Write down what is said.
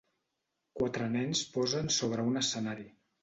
Quatre nens posen sobre un escenari.